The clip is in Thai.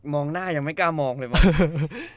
มองหน้ายังไม่กล้ามองเลยมั้ง